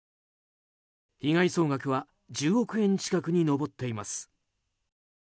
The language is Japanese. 被害総額は１０億円近くに上っています。